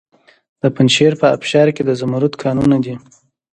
د پنجشیر په ابشار کې د زمرد کانونه دي.